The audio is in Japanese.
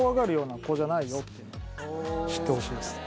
はい知ってほしいですね